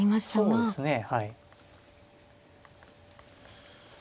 そうですね